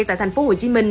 tại thành phố hồ chí minh